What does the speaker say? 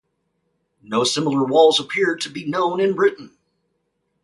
No similar walls appear to be known in Britain.